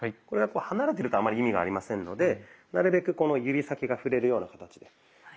これがこう離れてるとあんまり意味がありませんのでなるべくこの指先が触れるような形で。